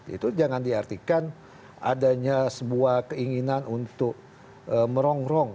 itu jangan diartikan adanya sebuah keinginan untuk merongrong